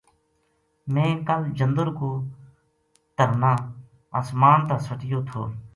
میں کل جندر کو ترنا اسمان نا سٹیو تھو